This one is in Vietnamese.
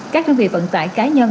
các nhân viên vận tải cá nhân